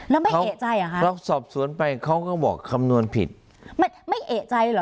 แล้วไม่เอกใจเหรอคะเพราะสอบสวนไปเขาก็บอกคำนวณผิดไม่ไม่เอกใจเหรอ